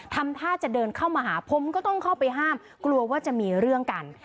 ทำท่าจะเดินเข้ามาหาผมก็ต้องเข้าไปห้ามกลัวว่าจะมีเรื่องกัน